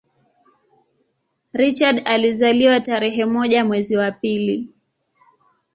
Richard alizaliwa tarehe moja mwezi wa pili